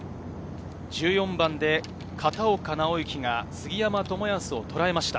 １４番で片岡尚之が杉山知靖をとらえました。